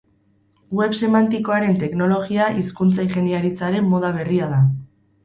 Web semantikoaren teknologia hizkuntza-ingeniaritzaren moda berria da.